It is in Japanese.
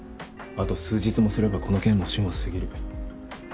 あと数日もすればこの件の旬は過ぎる。